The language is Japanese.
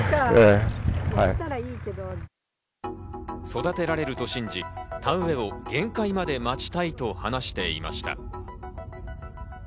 育てられると信じ、田植えを限界まで待ちたいと話していました。